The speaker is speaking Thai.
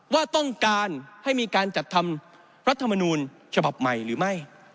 ว่าต้องการให้มีการจัดทำรัฐมนูลฉบับใหม่หรือไม่